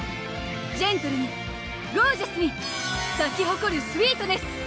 ジェントルにゴージャスに咲き誇るスウィートネス！